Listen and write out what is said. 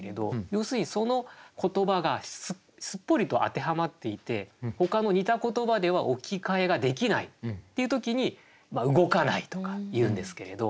要するにその言葉がすっぽりと当てはまっていてほかの似た言葉では置き換えができないっていう時に動かないとかいうんですけれど。